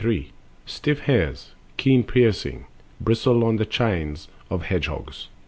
Stiff hairs, keen piercing, bristle on the chines Of hedge hogs.